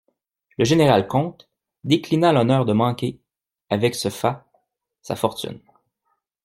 Le général-comte déclina l'honneur de manquer, avec ce fat, sa fortune.